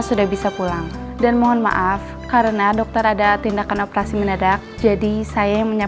sampai jumpa di video selanjutnya